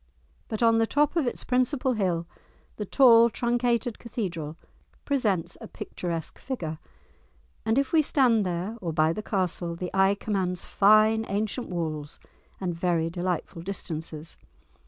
But on the top of its principal hill the tall truncated Cathedral presents a picturesque figure, and if we stand there or by the castle the eye commands fine, ancient walls and very delightful distances.